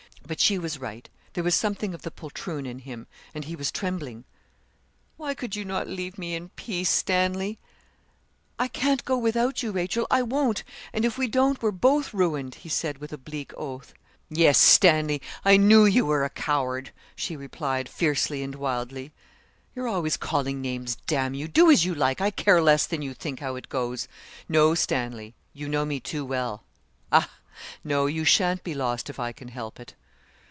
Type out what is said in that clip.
But she was right; there was something of the poltroon in him, and he was trembling. 'Why could you not leave me in peace, Stanley?' 'I can't go without you, Rachel. I won't; and if we don't we're both ruined,' he said, with a bleak oath. 'Yes, Stanley, I knew you were a coward,' she replied, fiercely and wildly. 'You're always calling names, d you; do as you like. I care less than you think how it goes.' 'No, Stanley; you know me too well. Ah! No, you sha'n't be lost if I can help it.'